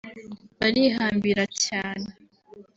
barihambira cyane